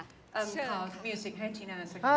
เขามิวสิกให้ทีนาสักที